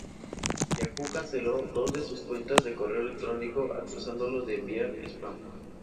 Yahoo canceló dos de sus cuentas de correo electrónico acusándolo de enviar spam.